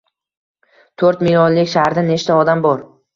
To‘rt millionlik shaharda nechta odam bor.